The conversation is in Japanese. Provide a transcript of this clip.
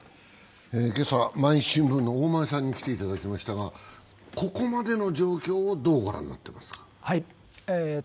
今朝は毎日新聞の大前さんに来ていただきましたが、ここまでの状況をどう御覧になっていますか。